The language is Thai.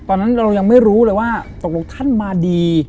ตอนนั้นเรายังไม่รู้เลยว่าตกลงท่านมาดี